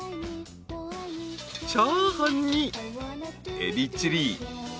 ［チャーハンにえびチリ］